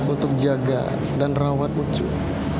untuk jaga dan rawat muncul